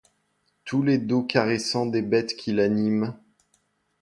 Tous les dos caressants des bêtes qu’il anime